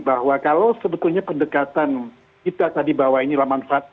bahwa kalau sebetulnya pendekatan kita tadi bahwa inilah manfaat